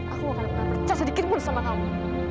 aku akan mercah sedikitpun sama kamu